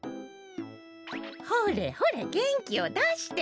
ほれほれげんきをだして。